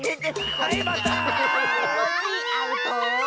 コッシーアウト。